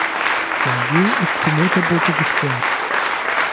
Der See ist für Motorboote gesperrt.